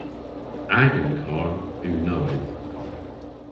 Agan karr yw nowydh.